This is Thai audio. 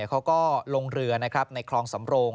เขาก็ลงเรือในคลองสำโรง